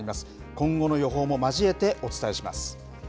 今後の予報も交えてお伝えします。